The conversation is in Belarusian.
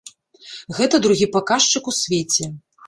Гэта другі паказчык у свеце.